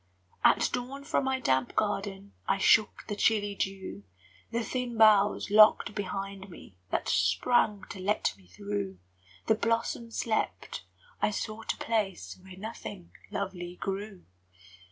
At dawn from my damp garden I shook the chilly dew; The thin boughs locked behind me That sprang to let me through; The blossoms slept, I sought a place Where nothing lovely grew.